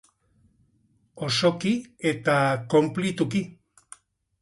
osoki eta konplituki